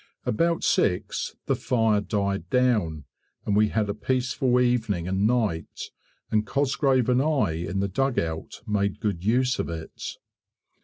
About six the fire died down, and we had a peaceful evening and night, and Cosgrave and I in the dugout made good use of it.